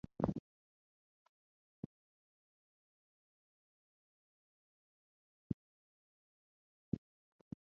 Upwards of forty enlisted men would work under Reed at Tuskegee.